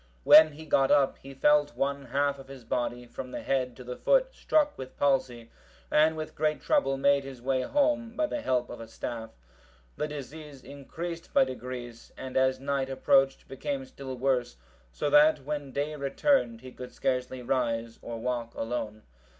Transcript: When he got up, he felt one half of his body, from the head to the foot, struck with palsy, and with great trouble made his way home by the help of a staff. The disease increased by degrees, and as night approached, became still worse, so that when day returned, he could scarcely rise or walk alone.